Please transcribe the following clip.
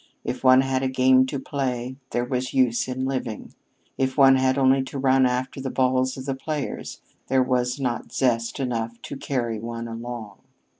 If one had a game to play, there was use in living. If one had only to run after the balls of the players, there was not zest enough to carry one along.